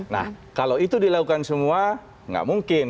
nah kalau itu dilakukan semua nggak mungkin